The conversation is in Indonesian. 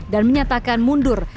dan menyatakan mundur